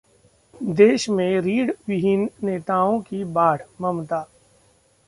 देश में रीढ़ विहीन नेताओं की बाढ़: ममता